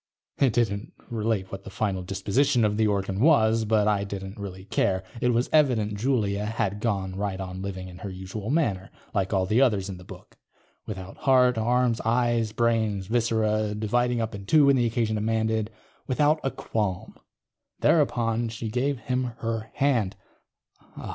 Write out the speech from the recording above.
_ It didn't relate what the final disposition of the organ was, but I didn't really care. It was evident Julia had gone right on living in her usual manner, like all the others in the book. Without heart, arms, eyes, brains, viscera, dividing up in two when the occasion demanded. Without a qualm. _... thereupon she gave him her hand.